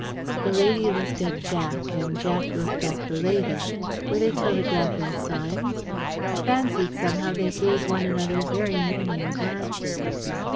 The lady looked at Jack, and Jack looked at the lady. Were they telegraphing signs? I fancied somehow they gave one another very meaning glances.